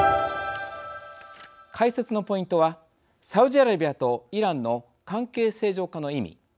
解説のポイントはサウジアラビアとイランの関係正常化の意味。